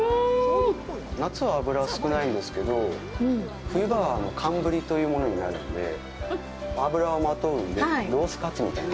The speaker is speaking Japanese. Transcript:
夏は脂が少ないんですけど冬場は寒ブリというものになるので脂をまとうので、ロースカツみたいな。